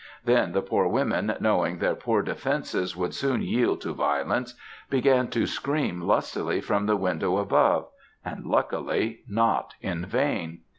Then, the poor women knowing their poor defences would soon yield to violence, began to scream lustily from the window above; and luckily not in vain.